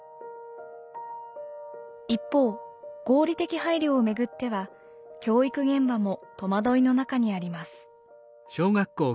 一方合理的配慮を巡っては教育現場も戸惑いの中にあります。